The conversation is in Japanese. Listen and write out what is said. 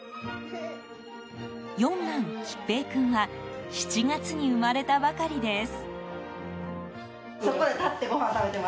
四男・稀平君は７月に生まれたばかりです。